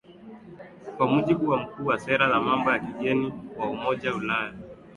kwa mujibu wa mkuu wa sera za mambo ya kigeni wa umoja ulaya